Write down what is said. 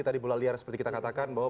tadi bola liar seperti kita katakan bahwa